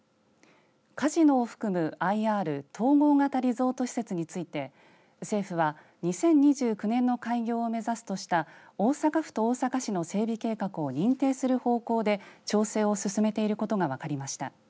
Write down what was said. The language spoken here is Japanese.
カジノを含むＩＲ、統合型リゾート施設について政府は２０２９年の開業を目指すとした大阪府と大阪市の整備計画を認定する方向で調整を進めていることが分かりました。